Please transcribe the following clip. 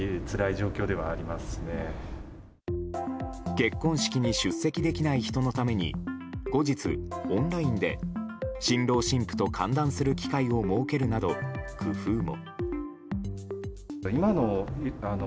結婚式に出席できない人のために後日、オンラインで新郎新婦と歓談する機会を設けるなど、工夫も。